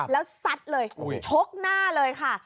แล้วซัดเลยชกหน้าเลยค่ะ